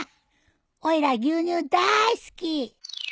おいら牛乳だい好き！